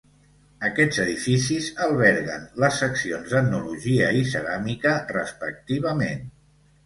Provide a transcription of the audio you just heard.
Aquests edificis alberguen les seccions d'etnologia i ceràmica respectivament.